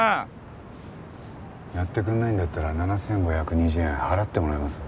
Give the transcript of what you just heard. やってくんないんだったら７５２０円払ってもらえます？